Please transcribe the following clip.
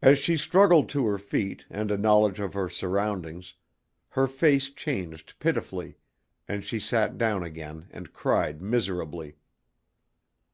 As she struggled to her feet and a knowledge of her surroundings, her face changed pitifully, and she sat down again and cried miserably.